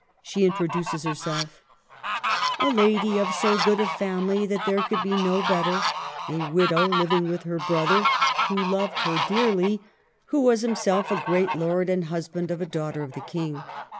She introduces herself: —" A lady of so good a family that there could be no better ; a widow, living with her brother who loved her 248 MARGARET OF ANGOUL^ME. dearly, who was himself a great lord and husband of a daughter of the King.